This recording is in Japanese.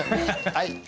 はい。